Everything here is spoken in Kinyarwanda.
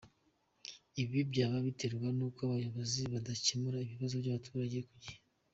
Ibi byaba biterwa n’uko abayobozi badakemura ibibazo by’abaturage ku gihe?.